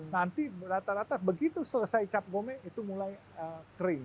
nanti rata rata begitu selesai cap gome itu mulai kering